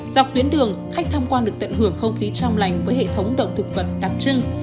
dọc tuyến đường khách tham quan được tận hưởng không khí trong lành với hệ thống động thực vật đặc trưng